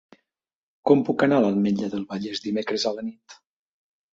Com puc anar a l'Ametlla del Vallès dimecres a la nit?